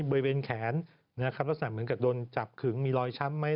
บริเวณแขนนะครับลักษณะเหมือนกับโดนจับขึงมีรอยช้ำไหม